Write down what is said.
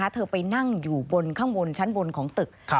เธอไปนั่งอยู่บนข้างบนชั้นบนของตึก